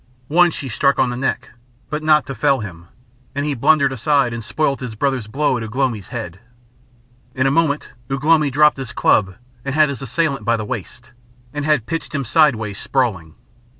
One she struck on the neck, but not to fell him, and he blundered aside and spoilt his brother's blow at Ugh lomi's head. In a moment Ugh lomi dropped his club and had his assailant by the waist, and had pitched him sideways sprawling.